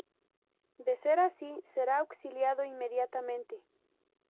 De ser así, será auxiliado inmediatamente.